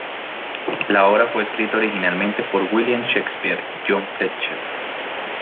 La obra fue escrita originalmente por William Shakespeare y Jonh Fletcher.